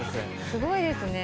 すごいですね。